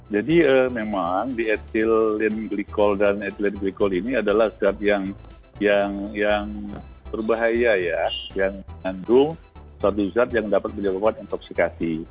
jadi memang di ethylene glycol dan ethylene glycol ini adalah zat yang berbahaya ya